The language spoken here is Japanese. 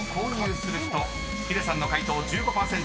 ［ヒデさんの解答１５％。